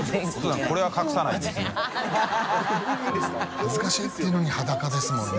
恥ずかしいって言うのに裸ですもんね